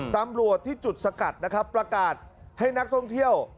ตำรวจที่จุดสกัดนะครับประกาศให้นักท่องเที่ยว